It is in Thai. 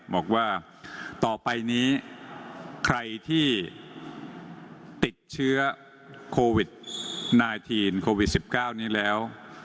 บอกว่าต่อไปนี้ใครที่ติดเชื้อโควิด๑๙นี้แล้ว